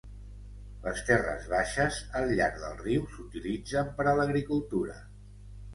Les terres baixes al llarg del riu s'utilitzen per a l'agricultura.